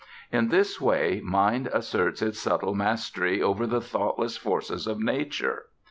In this way mind asserts its subtle mastery over the thoughtless forces of Nature.